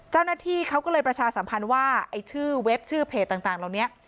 เจ้าหน้าที่เขาก็เลยประชาสัมพันธ์ว่าไอ้ชื่อเว็บชื่อเพจต่างเหล่านี้